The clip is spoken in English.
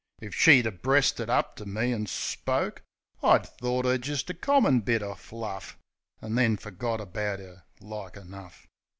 If she'd ha' breasted up ter me an' spoke, I'd thort 'er jist a commit! bit er fluif. An' then fergot about 'er, like enough.